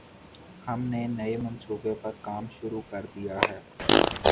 ہم نے نئے منصوبے پر کام شروع کر دیا ہے۔